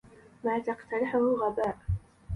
ما تقترحه غباء.